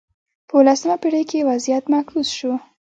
په اولسمه پېړۍ کې وضعیت معکوس شو.